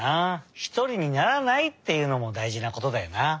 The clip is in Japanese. ひとりにならないっていうのもだいじなことだよな。